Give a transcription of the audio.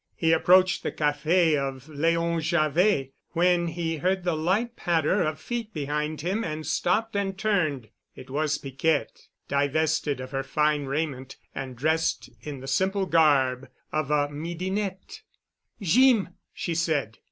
He approached the café of Leon Javet when he heard the light patter of feet behind him and stopped and turned. It was Piquette, divested of her fine raiment and dressed in the simple garb of a midinette. "Jeem——," she said.